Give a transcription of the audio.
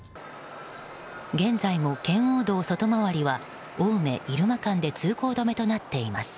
現在も圏央道外回りは青梅入間間で通行止めとなっています。